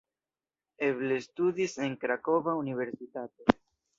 Eble studis en Krakova universitato.